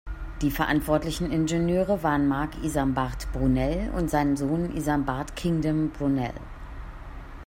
Die verantwortlichen Ingenieure waren Marc Isambard Brunel und sein Sohn Isambard Kingdom Brunel.